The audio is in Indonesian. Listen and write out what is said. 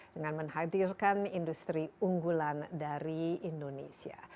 dengan menghadirkan industri unggulan dari indonesia